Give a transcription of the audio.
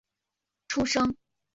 张福兴出生于竹南郡头分庄。